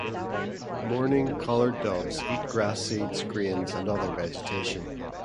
Mourning collared doves eat grass seeds, grains and other vegetation.